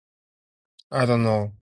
I dunno.